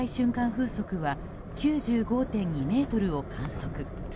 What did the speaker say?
風速は９５．２メートルを観測。